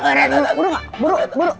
udah enggak buruk buruk